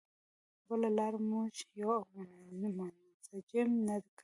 بله لار موږ یو او منسجم نه کړي.